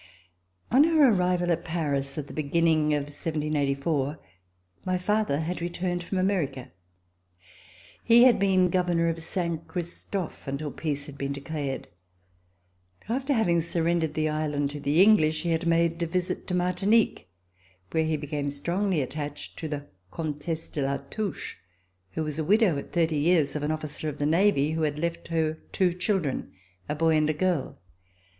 On our arrival at Paris, at the beginning of 1784, my father had returned from America. He had been Governor of Saint Christophe until peace had been declared. After having surrendered the island to the English, he had made a visit to Martinique, where he became strongly attached to the Comtesse de La VISITS TO LANGUEDOC Touche, who was the widow, at thirty years, of an officer of the Navy who had left her two children — a boy and a girl.